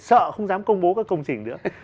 sợ không dám công bố các công trình nữa